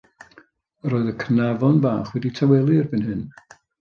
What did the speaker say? Yr oedd y cnafon bach wedi tawelu erbyn hyn.